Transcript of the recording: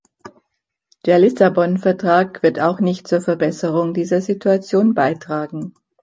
Der Lissabon-Vertrag wird auch nicht zur Verbesserung dieser Situation beitragen.